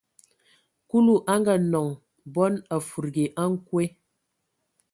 Kulu a ngaanɔŋ bɔn, a fudigi a nkwe.